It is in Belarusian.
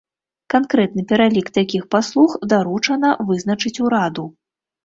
Канкрэтны пералік такіх паслуг даручана вызначыць ураду.